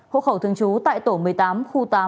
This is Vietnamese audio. hộ khẩu thường trú tại tổ một mươi tám khu tám